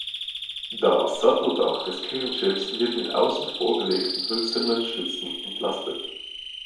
Das Satteldach des Kirchenschiffs wird mit außen vorgelegten hölzernen Stützen entlastet.